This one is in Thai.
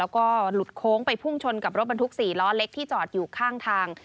แล้วก็หลุดโค้งไปพุ่งชนกับรถบรรทุก๔ล้อเล็กที่จอดอยู่ข้างทาง